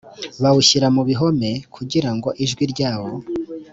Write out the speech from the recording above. bawushyira mu bihome kugira ngo ijwi ryawo